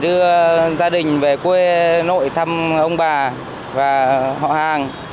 đưa gia đình về quê nội thăm ông bà và họ hàng